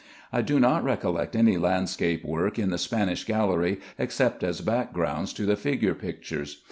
I do not recollect any landscape work in the Spanish gallery except as backgrounds to the figure pictures.